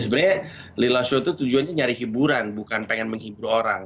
sebenarnya lila show itu tujuannya nyari hiburan bukan pengen menghibur orang